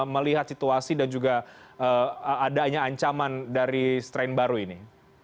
melihat situasi dan juga adanya ancaman dari strain baru ini